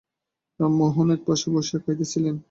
রামমোহনও একপার্শ্বে বসিয়া খাইতেছিল।